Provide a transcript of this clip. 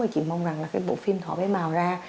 và chị mong rằng là cái bộ phim thổ bé bào ra